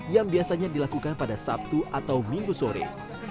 yang biasanya dilakukan pada sabtu atau minggu sore